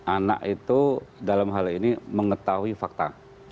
anak itu dalam hal ini mengetahui fakta